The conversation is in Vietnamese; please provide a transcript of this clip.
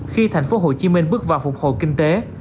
khi thành phố hồ chí minh bước vào phục hồi kinh tế